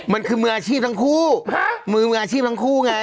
มันคือมืออาชีพทั้งคู่มือมืออาชีพทั้งคู่ไง